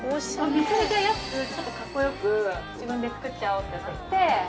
めちゃめちゃ安くちょっとかっこよく自分でつくっちゃおうって思って。